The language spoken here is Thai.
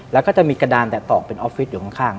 แล้วก็จะมีกระดานแต่ตอกเป็นออฟฟิศอยู่ข้าง